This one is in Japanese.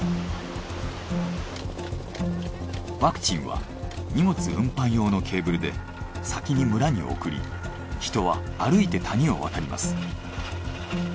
ワクチンは荷物運搬用のケーブルで先に村に送り人は歩いて谷を渡ります。